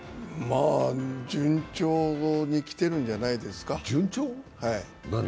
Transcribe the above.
まあ順調に来てるんじゃないですか？